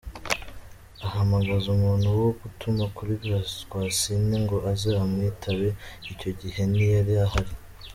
Ahamagaza umuntu wo gutuma kuri Rwasine ngo aze amwitabe, icyo gihe ntiyari ahari.